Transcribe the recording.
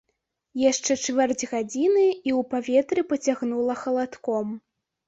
Яшчэ чвэрць гадзіны, і ў паветры пацягнула халадком.